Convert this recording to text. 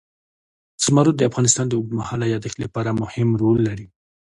زمرد د افغانستان د اوږدمهاله پایښت لپاره مهم رول لري.